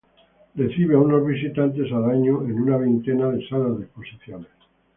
Recibe a unos visitantes al año en una veintena de salas de exposiciones.